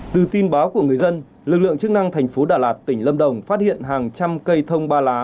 từ tin báo của người dân lực lượng chức năng thành phố đà lạt tỉnh lâm đồng phát hiện hàng trăm cây thông ba lá